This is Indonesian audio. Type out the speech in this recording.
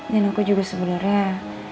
dan aku juga sebenarnya